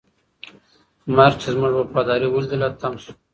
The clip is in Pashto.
مرګ چې زموږ وفاداري ولیدله، تم شو.